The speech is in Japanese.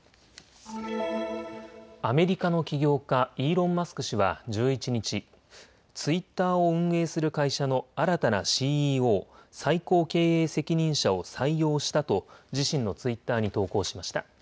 アメリカの起業家、イーロン・マスク氏は１１日、ツイッターを運営する会社の新たなＣＥＯ・最高経営責任者を採用したと自身のツイッターに投稿しました。